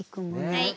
はい。